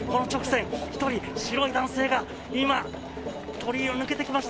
１人、白い男性が今、鳥居を抜けてきました。